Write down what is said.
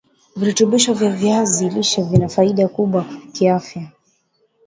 Virutubisho vya viazi lishe vina faida kubwa kiafya